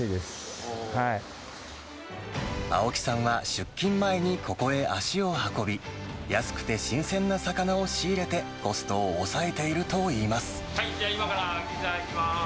青木さんは出勤前にここへ足を運び、安くて新鮮な魚を仕入れて、コストを抑えているといいます。